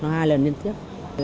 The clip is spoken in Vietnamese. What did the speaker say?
nó hai lần liên tiếp